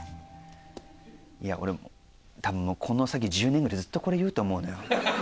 多分この先１０年ぐらいずっとこれ言うと思うのよ。